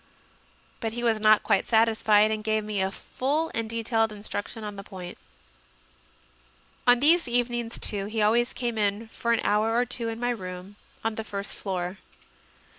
But he was not quite satisfied, and gave me a full and detailed instruction on the point. On these evenings, too, he always came in for an hour or two in my room, on the first floor.